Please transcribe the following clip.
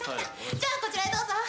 じゃあこちらへどうぞ。